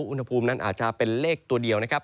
อุณหภูมินั้นอาจจะเป็นเลขตัวเดียวนะครับ